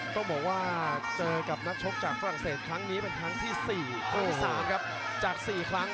ต้องบอกว่าเจอกับนักชกจากฝรั่งเศสครั้งนี้เป็นครั้งที่๔ครั้งที่๓ครับจาก๔ครั้ง